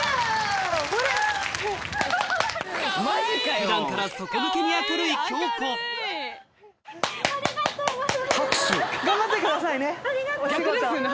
普段から底抜けに明るい京子ありがとうございます。